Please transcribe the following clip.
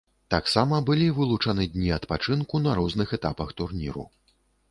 Таксама былі вылучаны дні адпачынку на розных этапах турніру.